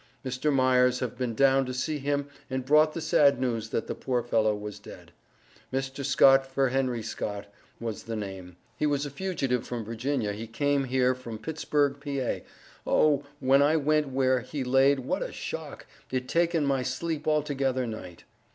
Mr. Myers have been down to see him and Brought the Sad news that the Poor fellow was dead. Mr. Scott for Henry Scott was the name, he was a fugitive from Virginia he came here from Pittsburg Pa. Oh, when I went where he laid what a shock, it taken my Sleep altogether night.